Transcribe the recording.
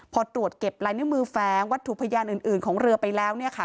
พอตรวจเก็บลายนิ้วมือแฟ้งวัตถุพยานอื่นของเรือไปแล้วเนี่ยค่ะ